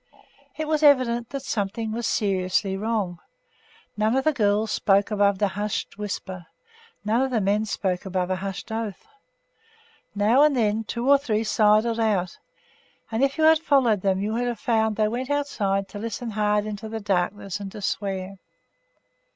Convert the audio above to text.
It was evident that something was seriously wrong. None of the girls spoke above a hushed whisper. None of the men spoke above a hushed oath. Now and again two or three sidled out, and if you had followed them you would have found that they went outside to listen hard into the darkness and to swear.